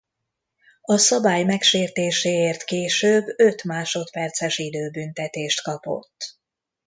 A szabály megsértéséért később öt másodperces időbüntetést kapott.